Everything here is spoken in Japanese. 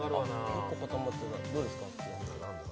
結構固まってたどうですか？